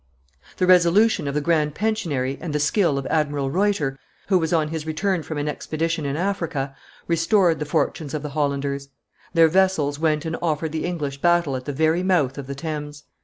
The resolution of the grand pensionary and the skill of Admiral Ruyter, who was on his return from an expedition in Africa, restored the fortunes of the Hollanders; their vessels went and offered the English battle at the very mouth of the Thames.